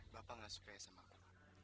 bapak gak suka ya sama aku